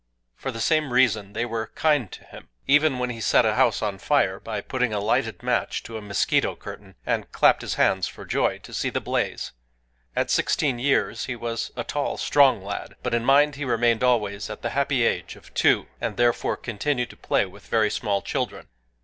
For the same reason they were kind to him,—even when he set a house on fire by putting a lighted match to a mosquito curtain, and clapped his hands for joy to see the blaze. At sixteen years he was a tall, strong lad; but in mind he remained always at the happy age of two, and therefore continued to play with very small children.